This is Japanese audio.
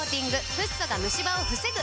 フッ素がムシ歯を防ぐ！